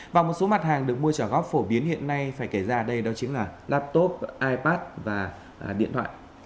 và một số mặt hàng được mua trả góp phổ biến hiện nay phải kể ra đây đó chính là laptop ipad và điện thoại